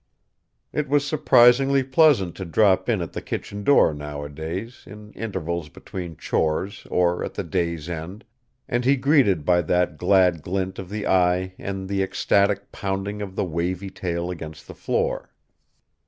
It was surprisingly pleasant to drop in at the kitchen door nowadays, in intervals between chores or at the day's end, and be greeted by that glad glint of the eye and the ecstatic pounding of the wavy tail against the floor.